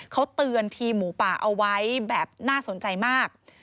เขาเตือนทีมหมูป่าเอาไว้แบบน่าสนใจมาก